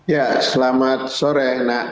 ya selamat sore